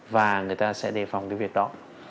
và người ta sẽ đề phòng cái việc đó